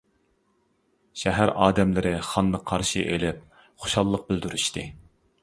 شەھەر ئادەملىرى خاننى قارشى ئېلىپ، خۇشاللىق بىلدۈرۈشتى.